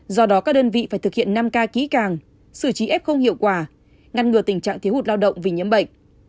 do đó các đơn vị phải thực hiện năm ca ký càng sử trí ép không hiệu quả ngăn ngừa tình trạng thiếu hụt lao động vì nhiễm bệnh